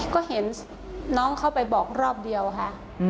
ก็เห็นน้องเขาไปบอกรอบเดียวค่ะ